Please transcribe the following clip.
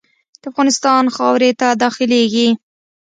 د افغانستان خاورې ته داخلیږي.